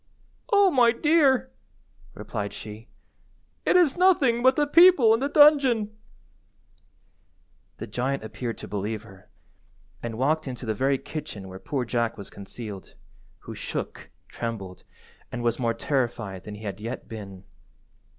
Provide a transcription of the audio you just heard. "Oh, my dear," replied she, "it is nothing but the people in the dungeon." The giant appeared to believe her, and walked into the very kitchen where poor Jack was concealed, who shook, trembled, and was more terrified than he had yet been.